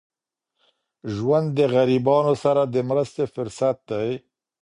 ژوند د غریبانو سره د مرستې فرصت دی.